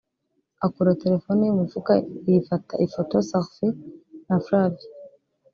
akura telefoni ye mu mufuka yifata ifoto (Selfie) na Flavia